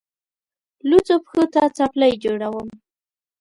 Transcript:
لوڅو پښو ته څپلۍ جوړوم.